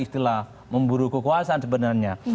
istilah memburu kekuasaan sebenarnya